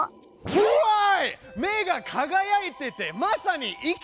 Ｗｈｙ！？